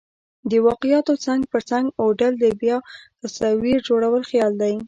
د واقعاتو څنګ پر څنګ اوډل او بیا تصویر جوړل خیال دئ.